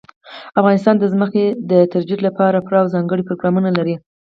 افغانستان د ځمکه د ترویج لپاره پوره او ځانګړي پروګرامونه لري.